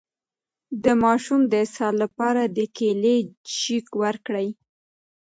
د ماشوم د اسهال لپاره د کیلي شیک ورکړئ